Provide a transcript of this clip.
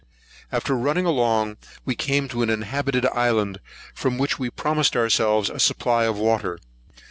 After running along, we came to an inhabited island, from which we promised ourselves a supply of water.